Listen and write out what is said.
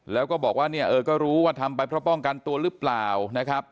แล้วก็บอกว่าเนี่ยเออก็รู้ว่าทำไปเพราะป้องกันตัวหรือเปล่านะครับ